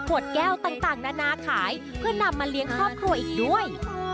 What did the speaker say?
ขวดแก้วต่างนานาขายเพื่อนำมาเลี้ยงครอบครัวอีกด้วย